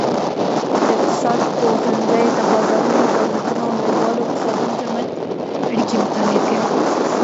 د اقتصاد پوهنځی د بازارونو، دولتونو او نړیوالو اقتصادونو ترمنځ اړیکې مطالعه کوي.